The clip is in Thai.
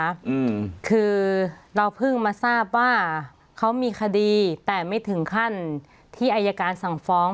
อืมคือเราเพิ่งมาทราบว่าเขามีคดีแต่ไม่ถึงขั้นที่อายการสั่งฟ้อง